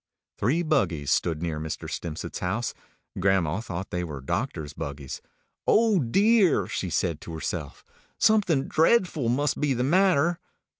Three buggies stood near Mr. Stimpcett's house. Grandma thought they were doctors' buggies. "Oh dear!" she said to herself, "something dreadful must be the matter!"